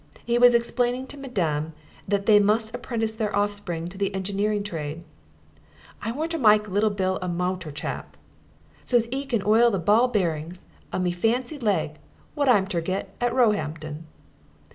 He was explaining to madame that they must apprentice their offspring to the engineering trade. "I wanter mike Lil' Bill a mowter chap, so's 'e can oil the ball bearings of me fancy leg wot I'm ter get at Roehampton."